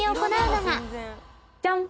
ジャン！